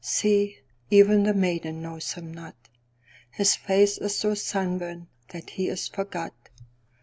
See, even the maiden knows him not:His face is so sunburnt that he is forgot.